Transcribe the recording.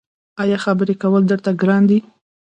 ایا خبرې کول درته ګران دي؟